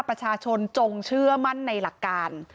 ประชาชนจงเชื่อมั่นในหลักการ